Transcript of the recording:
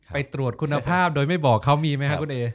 ไปตรวจคุณภาพโดยไม่บอกเขามีไหมครับคุณเอ